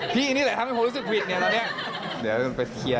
พี่นี่แหละทำให้ผมรู้สึกผิดเนี่ยแล้วเนี่ย